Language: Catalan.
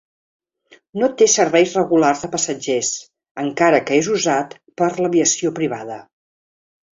No té serveis regulars de passatgers, encara que és usat per l'aviació privada.